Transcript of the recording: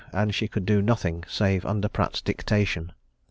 And she could do nothing save under Pratt's dictation.